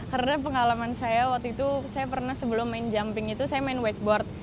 karena pengalaman saya waktu itu saya pernah sebelum main jumping itu saya main wakeboard